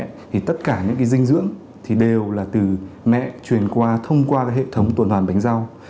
thì tất cả những dinh dưỡng đều là từ mẹ truyền qua thông qua hệ thống tuần hoàn bánh rau